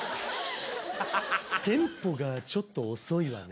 テンポがちょっと遅いわね。